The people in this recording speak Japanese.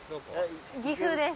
岐阜です。